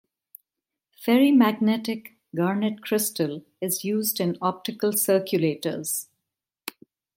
Ferrimagnetic garnet crystal is used in optical circulators.